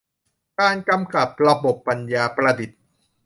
การกำกับระบบปัญญาประดิษฐ์